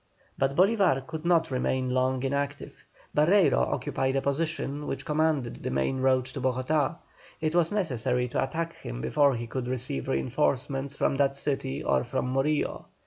But Bolívar could not remain long inactive. Barreiro occupied a position which commanded the main road to Bogotá; it was necessary to attack him before he could receive reinforcements from that city or from Morillo.